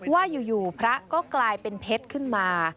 ว่าอยู่พระก็กลายเป็นเพชรขึ้นมา